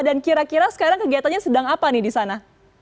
dan kira kira sekarang kegiatannya sedang apa nih di sana